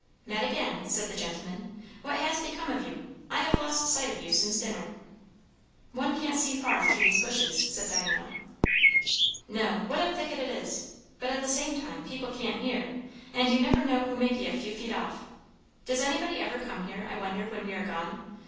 "Met again," said the gentleman. "What has become of you? I have lost sight of you since dinner." "One can't see far through these bushes," said Diana. "No. What a thicket it is! But at the same time, people can hear; and you never know who may be a few feet off. Does anybody ever come here, I wonder, when we are gone?